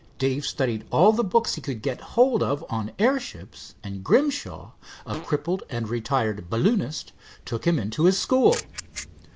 Dave studied all the books he could get hold of on airships, and Grimshaw, a crippled and retired balloonist, took him into his school.